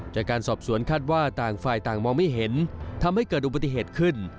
จากการสอบสวนคาดว่าต่างฝ่ายต่างมองไม่เห็นทำให้เกิดอุบัติเหตุขึ้น